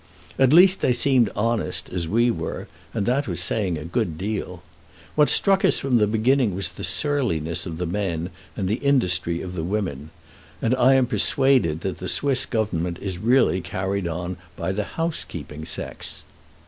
At least they seemed as honest as we were, and that is saying a great deal. What struck us from the beginning was the surliness of the men and the industry of the women; and I am persuaded that the Swiss Government is really carried on by the house keeping sex.